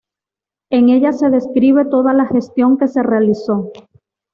En ella se describe toda la gestión que se realizó.